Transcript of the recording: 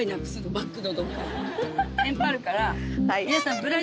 テンパるから。